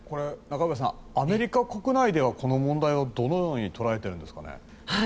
中林さんアメリカ国内ではこの問題をどのように捉えているんですかね？